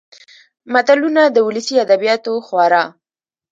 متلونه د ولسي ادبياتو خورا .